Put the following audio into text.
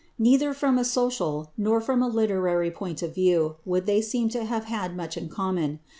Neither from a social nor from a literary point of view would they seem to have had much in common.